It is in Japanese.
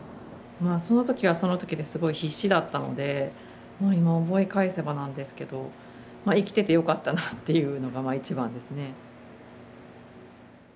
その時はその時ですごい必死だったので今思い返えせばなんですけどまあ生きててよかったなっていうのがまあ一番ですね。